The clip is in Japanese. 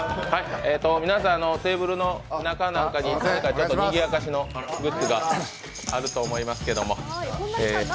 皆さん、テーブルの中なんかににぎやかしのグッズがあるかと思いますけれども。